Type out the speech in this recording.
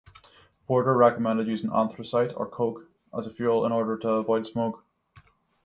Porter recommended using anthracite or coke as a fuel in order to avoid smoke.